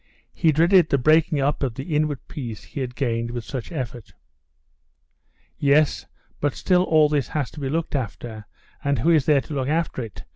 He dreaded the breaking up of the inward peace he had gained with such effort. "Yes, but still all this has to be looked after, and who is there to look after it?"